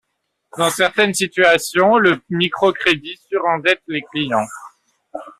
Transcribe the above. Dans certaines situations, le microcrédit surendette les clients.